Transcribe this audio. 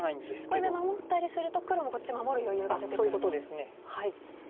これで守ったりすると黒もこっち守る余裕が出てくると。ということでですね